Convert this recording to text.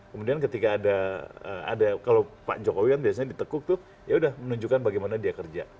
kemudian ketika ada kalau pak jokowi kan biasanya ditekuk tuh yaudah menunjukkan bagaimana dia kerja